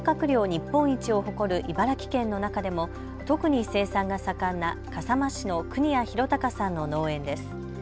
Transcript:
日本一を誇る茨城県の中でも特に生産が盛んな笠間市の國谷博隆さんの農園です。